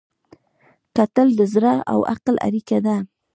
کتل د زړه او عقل اړیکه ده